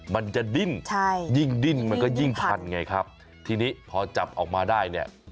มันจะดิ้นใช่ยิ่งดิ้นมันก็ยิ่งพันไงครับทีนี้พอจับออกมาได้เนี่ย